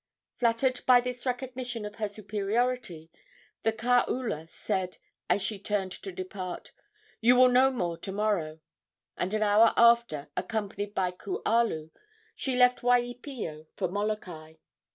Flattered by this recognition of her superiority, the kaula said, as she turned to depart: "You will know more to morrow!" And an hour after, accompanied by Kualu, she left Waipio for Molokai.